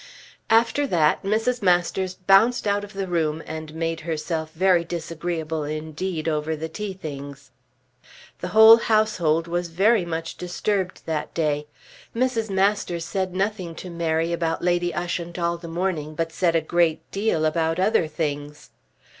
After that Mrs. Masters bounced out of the room, and made herself very disagreeable indeed over the tea things. The whole household was much disturbed that day. Mrs. Masters said nothing to Mary about Lady Ushant all the morning, but said a great deal about other things.